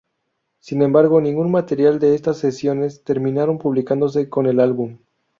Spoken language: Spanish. Sin embargo, ningún material de estas sesiones terminaron publicándose con el álbum.